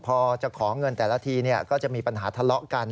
พอจะขอเงินแต่ละทีก็จะมีปัญหาทะเลาะกัน